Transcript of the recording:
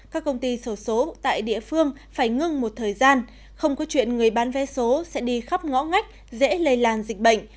các công ty sổ số tại địa phương phải ngừng một thời gian không có chuyện người bán vé số sẽ đi khắp ngõ ngách dễ lây lan dịch bệnh